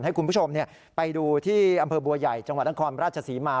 ให้คุณผู้ชมไปดูที่อำเภอบัวใหญ่จังหวัดนครราชศรีมา